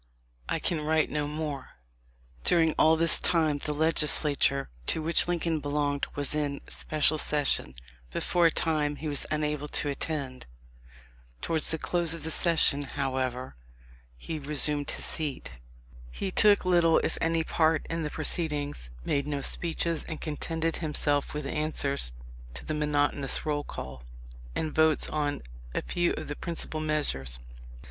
I can write no more." During all this time the Legislature to which Lin coln belonged was in special session, but for a time * J. F. Speed, MS. letter, January 6, 1866. 216 THE LIFE OF LINCOLN. he was unable to attend.* Towards the close of the session, however, he resumed his seat. He took little if any part in the proceedings, made no speeches, and contented himself with answers to the monotonous roll call, and votes on a few of the principal measures.